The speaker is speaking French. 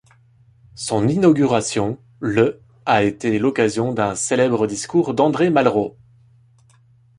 Son inauguration le a été l'occasion d'un célèbre discours d'André Malraux.